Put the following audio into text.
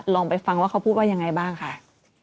ลองไปฟังว่าเขาพูดว่ายังไงบ้างค่ะ